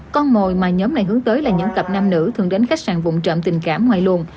con mồi mà nhóm này hướng tới là những cặp nam nữ thường đến khách sạn vùng trạm tình cảm ngoài luồn